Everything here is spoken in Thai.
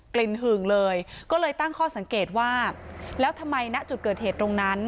หึงเลยก็เลยตั้งข้อสังเกตว่าแล้วทำไมณจุดเกิดเหตุตรงนั้น